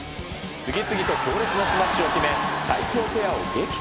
次々と強烈なスマッシュを決め、最強ペアを撃破。